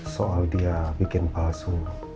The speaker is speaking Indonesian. soal dia bikin palsu